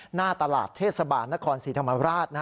หน้าตลาดเทศบาลนครศรีธรรมราช